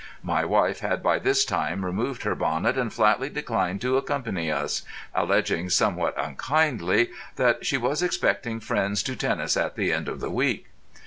My wife had by this time removed her bonnet, and flatly declined to accompany us, alleging somewhat unkindly that she was expecting friends to tennis at the end of the week.